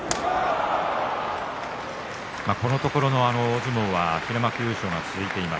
このところ大相撲の平幕優勝が続いています。